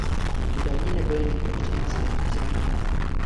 Údajně nebyl nikdo při incidentu zraněn.